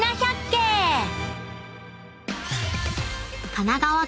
［神奈川県